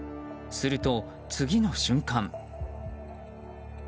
すると、次の瞬間。